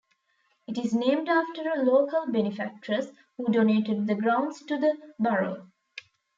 It is named after a local benefactress who donated the grounds to the borough.